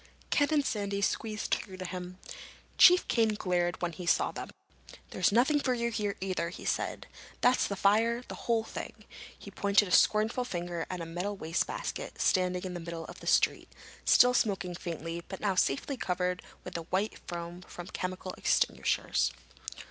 Ken and Sandy squeezed through to him. Chief Kane glared when he saw them. "There's nothing for you here either," he said. "That's the fire—the whole thing!" He pointed a scornful finger at a metal wastebasket standing in the middle of the street, still smoking faintly but now safely covered with the white foam from chemical extinguishers.